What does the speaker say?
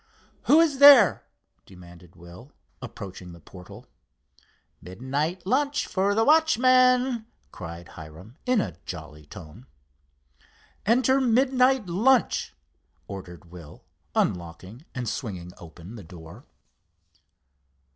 "Who is there?" demanded Will, approaching the portal. "Midnight lunch for the watchman!" cried Hiram, in a jolly tone. "Enter midnight lunch," ordered Will, unlocking and swinging open the door.